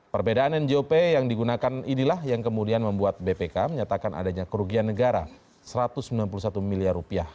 perbedaan njop yang digunakan inilah yang kemudian membuat bpk menyatakan adanya kerugian negara rp satu ratus sembilan puluh satu miliar